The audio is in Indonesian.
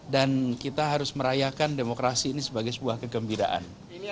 dan kita harus merayakan demokrasi ini sebagai sebuah kegembiraan